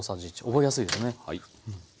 覚えやすいですね。